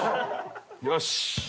よし！